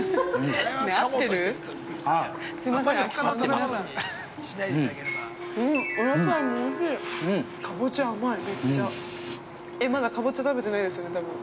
◆えっ、まだかぼちゃ食べてないですよね、多分。